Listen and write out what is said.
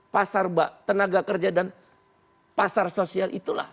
pasar tenaga kerja dan pasar sosial itulah